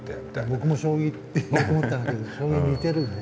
僕も「将棋」って思ったんだけど将棋似てるよね。